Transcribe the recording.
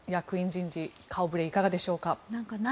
人事顔触れはいかがでしょうか。